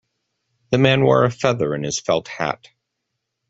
The man wore a feather in his felt hat.